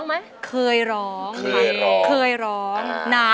กับเพลงที่๑ของเรา